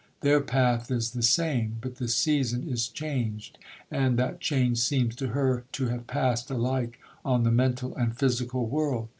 Their path is the same, but the season is changed—and that change seems to her to have passed alike on the mental and physical world.